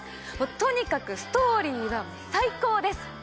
とにかくストーリーが最高です！